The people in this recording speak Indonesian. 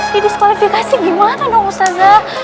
ya diskualifikasi gimana dong ustaznya